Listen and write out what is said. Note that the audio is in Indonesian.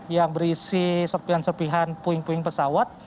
yang berisi serpihan serpihan puing puing pesawat